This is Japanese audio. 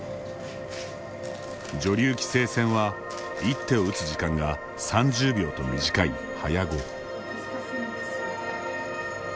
女流棋聖戦は、一手を打つ時間が３０秒と、短い早碁。